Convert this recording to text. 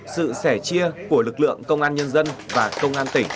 sự sẻ chia của lực lượng công an nhân dân và công an tỉnh